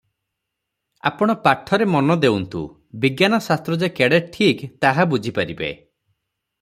ଆପଣ ପାଠରେ ମନ ଦେଉନ୍ତୁ, ବିଜ୍ଞାନଶାସ୍ତ୍ର ଯେ କେଡ଼େ ଠିକ୍, ତାହା ବୁଝିପାରିବେ ।